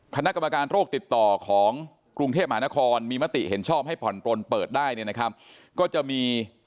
ของกรุงเทพหมานครมีมติเห็นชอบให้ผ่อนปลนเปิดได้เลยนะครับก็จะมี๘